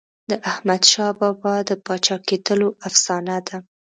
د احمدشاه بابا د پاچا کېدلو افسانه ده.